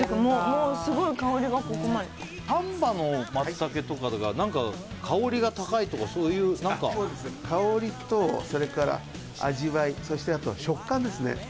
もうすごい香りがここまで丹波の松茸とかだから何か香りが高いとかそういう何か香りとそれから味わいそしてあと食感ですね